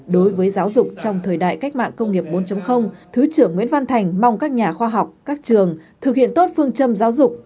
đối với giáo dục trong thời đại cách mạng công nghiệp bốn thứ trưởng nguyễn văn thành mong các nhà khoa học các trường thực hiện tốt phương châm giáo dục